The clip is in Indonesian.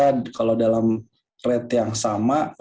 selyos mengelirukan bagian utang antaranya